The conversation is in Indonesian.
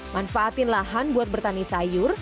manfaatin lahan buat bertani sayur